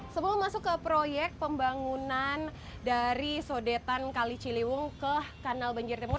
sebelum masuk ke proyek pembangunan dari sodetan kali ciliwung ke kanal banjir timur